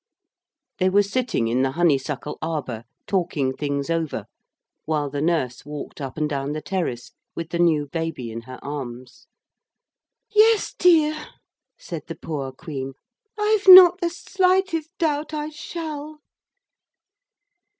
They were sitting in the honeysuckle arbour talking things over, while the nurse walked up and down the terrace with the new baby in her arms. 'Yes, dear,' said the poor Queen; 'I've not the slightest doubt I shall.'